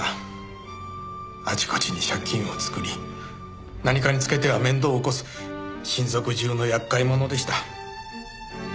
あちこちに借金を作り何かにつけては面倒を起こす親族中の厄介者でした。